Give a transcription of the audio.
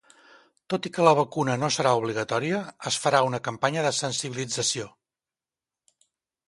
Tot i que la vacuna no serà obligatòria, es farà una campanya de sensibilització.